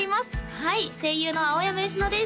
はい声優の青山吉能です